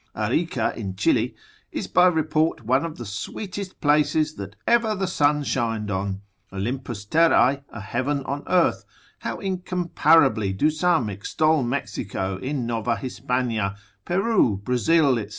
Arica in Chile is by report one of the sweetest places that ever the sun shined on, Olympus terrae, a heaven on earth: how incomparably do some extol Mexico in Nova Hispania, Peru, Brazil, &c.